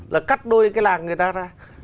là cắt đôi cái làng người ta ra